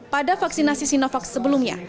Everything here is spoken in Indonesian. pada vaksinasi sinovac sebelumnya